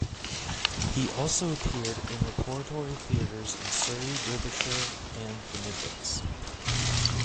He also appeared in Repertory Theatres in Surrey, Derbyshire and the Midlands.